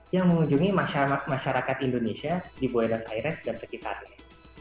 yang mengunjungi masyarakat indonesia di buhayrat airas dan sekitarnya